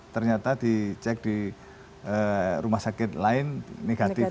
ternyata dicek di rumah sakit lain negatif